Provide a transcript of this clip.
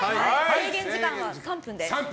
制限時間は３分です。